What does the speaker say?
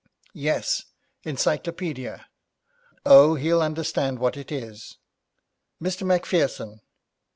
Yes, encyclopaedia. Oh, he'll understand what it is. Mr. Macpherson.